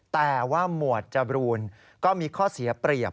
แต่ว่าหมวดจบรูนก็มีข้อเสียเปรียบ